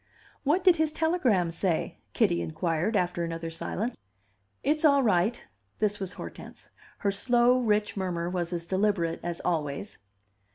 "What did his telegram say?" Kitty inquired, after another silence. "It's all right." This was Hortense. Her slow, rich murmur was as deliberate as always.